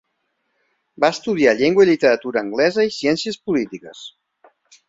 Va estudiar Llengua i Literatura Anglesa i Ciències Polítiques.